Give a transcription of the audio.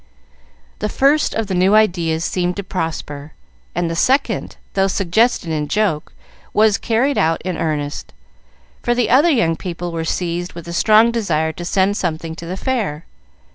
The first of the new ideas seemed to prosper, and the second, though suggested in joke, was carried out in earnest, for the other young people were seized with a strong desire to send something to the Fair.